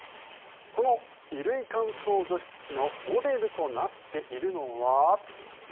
この衣類乾燥除湿機のモデルとなっているのは。